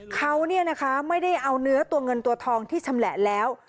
เขาไม่ได้เอาเนื้อตัวเงินตัวทองที่ชำแหละแล้ว